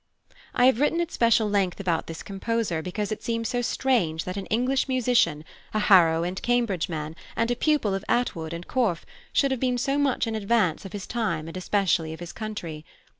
I have written at special length about this composer, because it seems so strange that an English musician, a Harrow and Cambridge man, and a pupil of Attwood and Corfe, should have been so much in advance of his time and especially of his country.